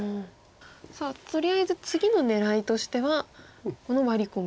さあとりあえず次の狙いとしてはこのワリコミ。